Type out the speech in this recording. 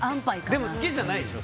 でも好きじゃないでしょ